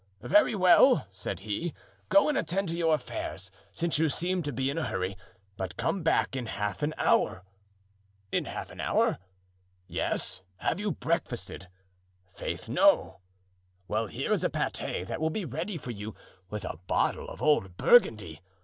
'Very well,' said he, 'go and attend to your affairs, since you seem to be in a hurry, but come back in half an hour.' 'In half an hour?' 'Yes, have you breakfasted?' 'Faith, no.' 'Well, here is a pate that will be ready for you, with a bottle of old Burgundy.